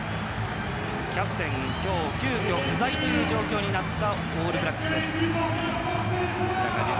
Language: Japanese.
キャプテンが今日急きょ不在となったオールブラックス。